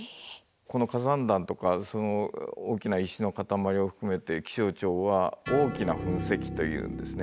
この火山弾とかその大きな石の塊を含めて気象庁は「大きな噴石」と言うんですね。